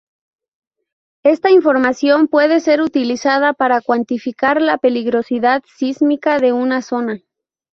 Esta información puede ser utilizada para cuantificar la peligrosidad sísmica de una zona.